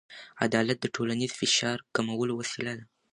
عدالت د ټولنیز فشار کمولو وسیله ده.